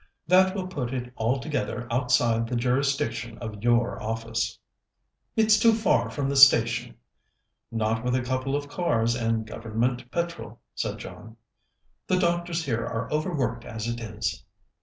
That will put it altogether outside the jurisdiction of your office." "It's too far from the station." "Not with a couple of cars and Government petrol," said John. "The doctors here are overworked as it is."